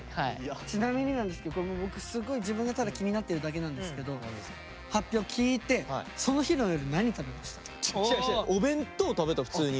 ちなみになんですけど僕すっごい自分がただ気になってるだけなんですけど発表聞いてお弁当食べた普通に。